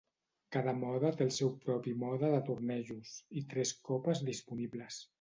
Cada mode té el seu propi mode de tornejos, i tres copes disponibles.